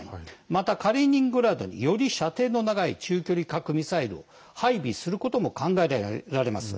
また、カリーニングラードにより射程の長い中距離核ミサイルを配備することも考えられます。